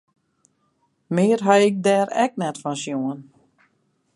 Mear ha ik dêr ek net fan sjoen.